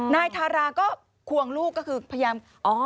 นายทาราก็ควงลูกก็คือพยายาม